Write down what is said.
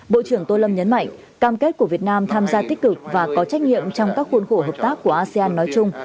bộ trưởng tô lâm nhấn mạnh cam kết của việt nam tham gia tích cực và có trách nhiệm trong các khuôn khổ hợp tác của asean nói chung